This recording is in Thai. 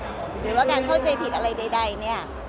หรือว่าการเข้าใจผิดอะไรใดเนี่ย